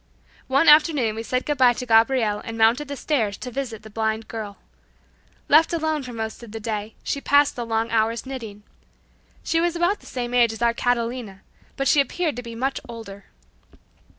One afternoon we said good bye to Gabriel and mounted the stairs to visit the blind girl. Left alone for most of the day, she passed the long hours knitting. She was about the same age as our Catalina, but she appeared to be much older.